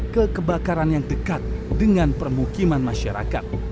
ke kebakaran yang dekat dengan permukiman masyarakat